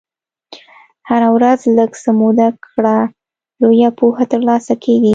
هره ورځ لږ څه زده کړه، لویه پوهه ترلاسه کېږي.